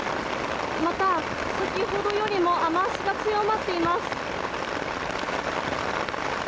また、先ほどよりも雨脚が強まっています。